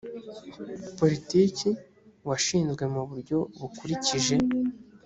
politiki washinzwe mu buryo bukurikije